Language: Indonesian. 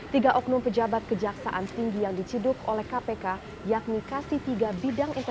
tiga oknum pejabat kejaksaan tinggi yang diciduk oleh kpk yakni kc tiga b